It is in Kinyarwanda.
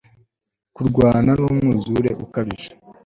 Kurwana numwuzure ukabije